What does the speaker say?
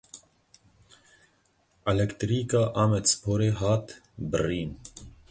Elektrîka Amedsporê hat birîn.